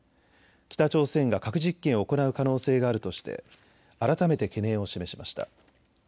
北朝鮮が核実験を行う可能性があるとして改めて懸念を示しました。